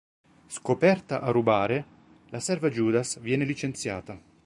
Scoperta a rubare, la serva Judas viene licenziata.